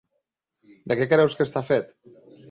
De què creus que està fet?